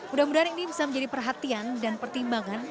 mudah mudahan ini bisa menjadi perhatian dan pertimbangan